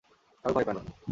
আরো পাইপ আনুন!